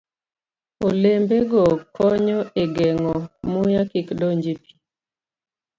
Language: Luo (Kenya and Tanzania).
Olembego konyo e geng'o muya kik donj e pi.